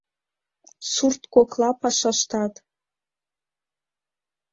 Сурт кокла пашаштат